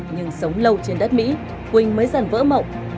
nhưng sống lâu trên đất mỹ quỳnh mới dần vỡ mộng